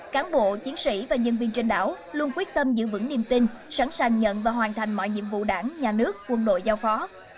cán bộ chiến sĩ và nhân viên trên đảo luôn quyết tâm giữ vững niềm tin sẵn sàng nhận và hoàn thành mọi nhiệm vụ đảng nhà nước quân đội giao phó